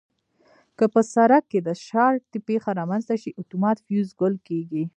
که په سرکټ کې د شارټي پېښه رامنځته شي اتومات فیوز ګل کېږي.